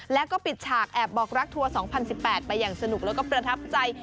แล้วก็ปิดฉากแอบบอกรักทัวร์๒๐๑๘ไปอย่างสนุกแล้วก็ประทับใจ